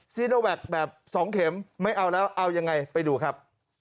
ซีโนแวคแบบ๒เข็มไม่เอาแล้วเอายังไงไปดูครับ